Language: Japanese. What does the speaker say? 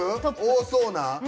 多そうな？